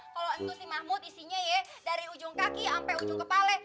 kalau itu si mahmud isinya ya dari ujung kaki sampai ujung kepala